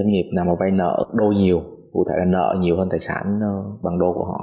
doanh nghiệp nào mà vay nợ nhiều cụ thể là nợ nhiều hơn tài sản bằng đô của họ